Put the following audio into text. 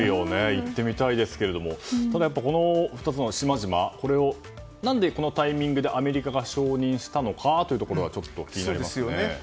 行ってみたいですけどただ、この２つの島々のこれを、何でこのタイミングでアメリカが承認したのかというところが気になりますね。